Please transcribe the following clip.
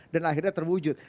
dan akhirnya terwujud